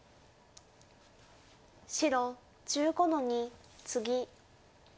白１５の二ツギ。